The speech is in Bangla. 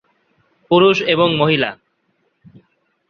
পুরুষ এবং মহিলা।